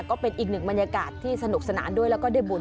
ก็เป็นอีกหนึ่งบรรยากาศที่สนุกสนานด้วยแล้วก็ได้บุญ